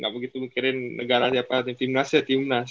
nggak begitu mikirin negara siapa timnas ya timnas